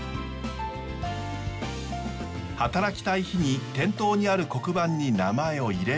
働きたい日に店頭にある黒板に名前を入れるだけ。